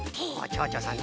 ちょうちょさんね。